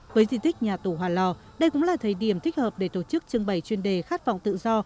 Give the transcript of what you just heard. với di tích nhà tù hòa lò đây cũng là thời điểm thích hợp để tổ chức trưng bày chuyên đề khát vọng tự do